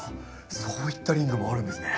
そういったリングもあるんですね。